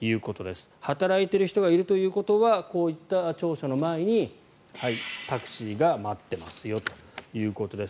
働いている人がいるということはこういった庁舎の前にタクシーが待ってますよということです。